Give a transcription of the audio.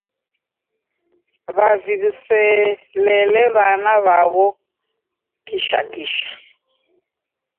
W'avi w'iselele w'ana w'aw'o kishakisha.